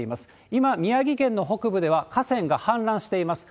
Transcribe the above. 今、宮城県の北部では河川が氾濫しています。